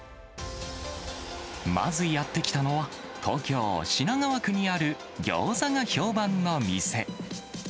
まずやって来たのは、東京・品川区にあるギョーザが評判の店。